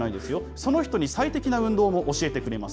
その人に最適な運動も教えてくれます。